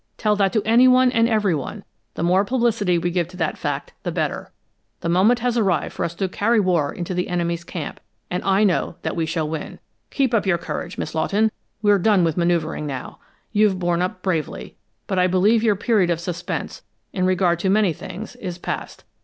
Tell that to anyone and everyone; the more publicity we give to that fact the better. The moment has arrived for us to carry war into the enemy's camp, and I know that we shall win! Keep up your courage, Miss Lawton! We're done with maneuvering now. You've borne up bravely, but I believe your period of suspense, in regard to many things, is past.